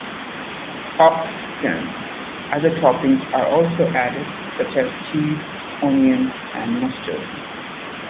Often other toppings are also added, such as cheese, onions, and mustard.